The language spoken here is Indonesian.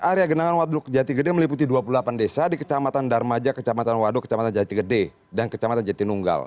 area genangan waduk jati gede meliputi dua puluh delapan desa di kecamatan darmaja kecamatan waduk kecamatan jati gede dan kecamatan jatinunggal